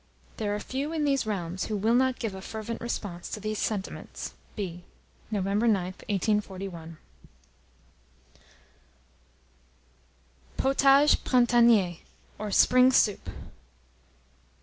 There are few in these realms who will not give a fervent response to these sentiments. B. November 9th, 1841." POTAGE PRINTANIER, OR SPRING SOUP.